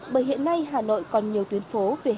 bởi hiện nay hà nội còn nhiều tuyến phố về hẻ biên tập